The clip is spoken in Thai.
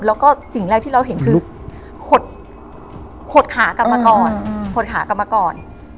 แล้วก็สิ่งแรกที่เราเห็นคือหดขากลับมาก่อน